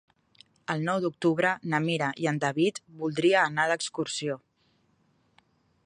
El nou d'octubre na Mira i en David voldria anar d'excursió.